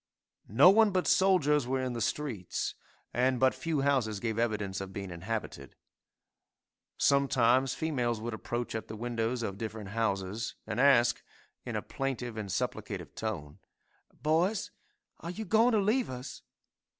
No one but soldiers were in the streets, and but few houses gave evidence of being inhabited. Sometimes females would approach at the windows of different houses and ask, in a plaintive and supplicative tone, "Boys, are you going to leave us?"